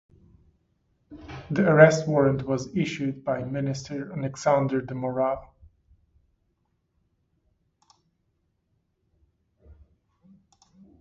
The arrest warrant was issued by Minister Alexandre de Moraes.